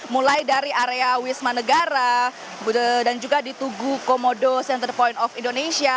mulai dari area wisma negara dan juga di tugu komodo center point of indonesia